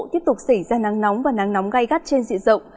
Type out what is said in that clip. tiếp tục xảy ra nắng nóng và nắng nóng gai gắt trên diện rộng